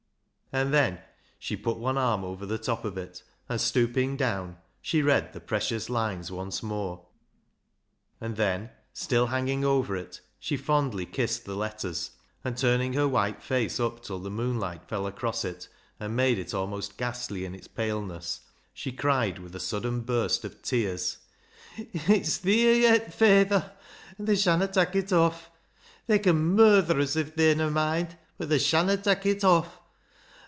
And then she put one arm over the top of it, and stooping down, she read the precious lines once more, and then, still hang ing over it, she fondly kissed the letters, and, turning her white face up till the moonlight fell across it and made it almost ghastly in its paleness, she cried, with a sudden burst of tears —" It's theer yet, fayther ! An' they shanna tak' it off. They can murther uz if they'n a moind, but they shanna tak' it off.